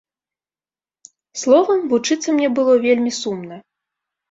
Словам, вучыцца мне было вельмі сумна.